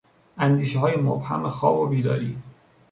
اندیشههای مبهم خواب و بیداری